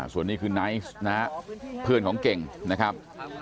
ส่วนนี้คือไนท์นะฮะเพื่อนของเก่งนะครับ